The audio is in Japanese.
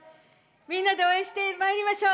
みんなで応援してまいりましょう。